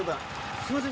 すいません。